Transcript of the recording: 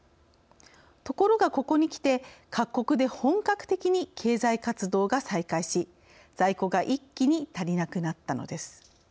ところがここにきて各国で本格的に経済活動が再開し在庫が一気に足りなくなったのです。